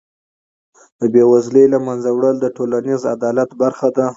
د بېوزلۍ له منځه وړل د ټولنیز عدالت برخه ده.